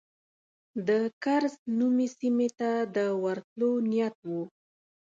د کرز نومي سیمې ته د ورتلو نیت و.